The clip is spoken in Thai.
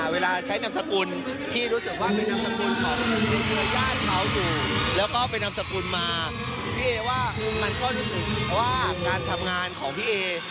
ก็ทำงานก็สบายใจ